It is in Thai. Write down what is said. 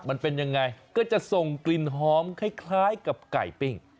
มันเป็นยังไงก็จะส่งกลิ่นหอมคล้ายกับไก่ปิ้ง